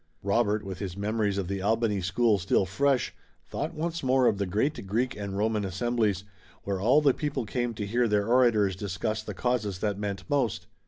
Robert, with his memories of the Albany school still fresh, thought once more of the great Greek and Roman assemblies, where all the people came to hear their orators discuss the causes that meant most.